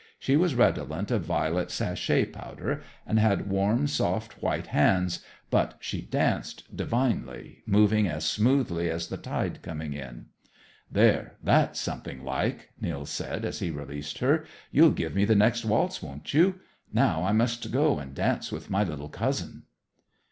She was redolent of violet sachet powder, and had warm, soft, white hands, but she danced divinely, moving as smoothly as the tide coming in. "There, that's something like," Nils said as he released her. "You'll give me the next waltz, won't you? Now I must go and dance with my little cousin."